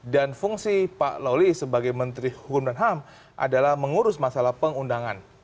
dan fungsi pak lawli sebagai menteri hukum dan ham adalah mengurus masalah pengundangan